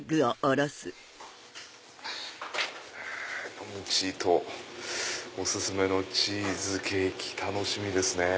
飲むチーとお薦めのチーズケーキ楽しみですね。